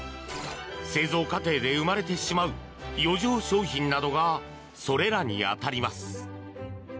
製造過程で生まれてしまう余剰商品などがそれらに当たります。